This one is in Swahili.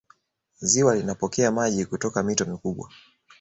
ziwa linapokea maji kutoka mito mikubwa